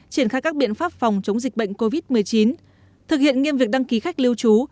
triển khai các biện pháp phòng chống dịch bệnh covid một mươi chín thực hiện nghiêm việc đăng ký khách lưu trú